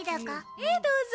ええどうぞ。